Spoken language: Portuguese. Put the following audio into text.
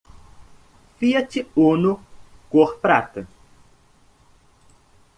Fiat Uno cor prata.